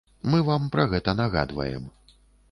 Мы вам пра гэта нагадваем.